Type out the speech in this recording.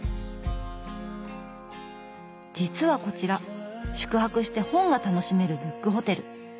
実はこちら宿泊して本が楽しめるブックホテル。